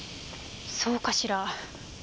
そうかしら？